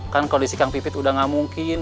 kan kondisi kang pipit udah gak mungkin